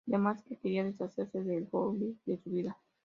Además que quería deshacerse de Douglas de su vida.